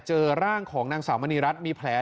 เจอร่างของนางสาวมณีรัฐมีแผล